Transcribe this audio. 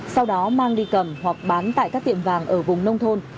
sau đó mang đi cầm hoặc bán tại các tiệm vàng ở vùng nông thôn